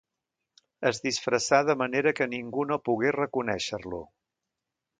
Es disfressà de manera que ningú no pogués reconèixer-lo.